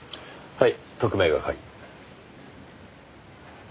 はい。